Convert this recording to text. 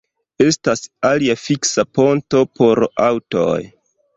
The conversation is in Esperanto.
Estas alia fiksa ponto por aŭtoj.